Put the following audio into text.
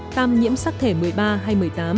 tam nhiễm sắc thể một mươi ba hay một mươi tám